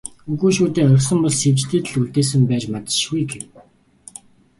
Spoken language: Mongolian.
"Үгүй шүү дээ, орхисон бол Сэвжидэд л үлдээсэн байж мэдэшгүй" гэв.